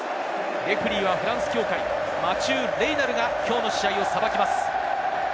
レフェリーはフランス協会マチュー・レイナルがきょうの試合をさばきます。